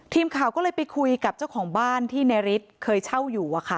ทีมข่าวก็เลยไปคุยกับเจ้าของบ้านที่ในฤทธิ์เคยเช่าอยู่